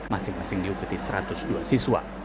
masing masing diikuti satu ratus dua siswa